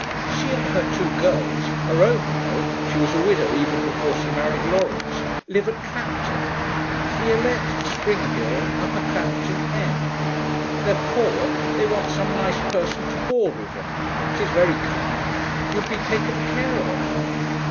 'She and her two girls (her own, you know; she was a widow even before she married Laurence) live at Clapton. Violette, Spring Hill, Upper Clapton, N. They're poor; they want some nice person to board with them. She's very kind; you'd be taken care of.'